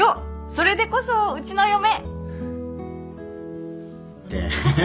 それでこそうちの嫁！ってハハ。